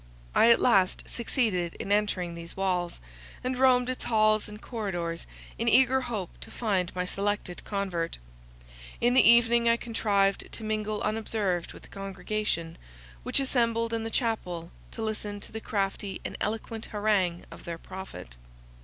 I at last succeeded in entering these walls, and roamed its halls and corridors in eager hope to find my selected convert. In the evening I contrived to mingle unobserved with the congregation, which assembled in the chapel to listen to the crafty and eloquent harangue of their prophet.